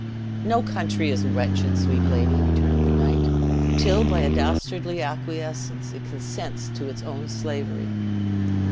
"No country is wretched, sweet lady," returned the knight, "till, by a dastardly acquiescence, it consents to its own slavery.